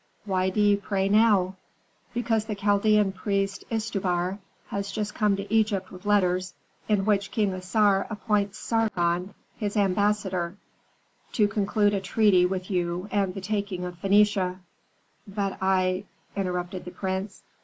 "Why do ye pray now?" "Because the Chaldean priest Istubar has just come to Egypt with letters, in which King Assar appoints Sargon his ambassador to conclude a treaty with you about the taking of Phœnicia " "But I " interrupted the prince.